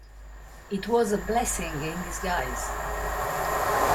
It was a blessing in disguise.